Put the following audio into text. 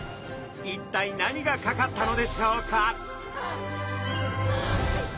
一体何がかかったのでしょうか？